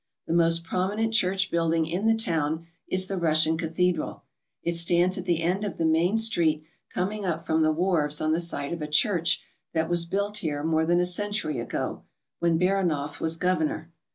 The most prominent church building in the town is the Russian cathedral It stands at the end of the main street coming up from the wharves on the site of a church that was built here more than a century ago, when Baranof was governor.